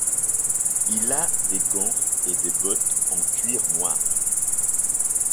Il a des gants et des bottes en cuir noir.